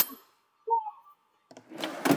阿肯色州议会是美国阿肯色州的立法机构。